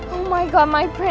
gue tuh bener gak tau apa apa